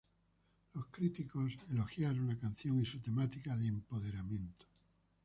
Los críticos elogiaron la canción y su temática de empoderamiento.